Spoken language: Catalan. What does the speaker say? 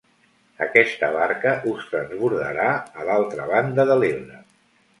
Aquesta barca us transbordarà a l'altra banda de l'Ebre.